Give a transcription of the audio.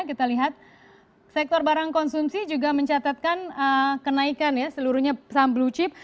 kita lihat sektor barang konsumsi juga mencatatkan kenaikan ya seluruhnya saham blue chip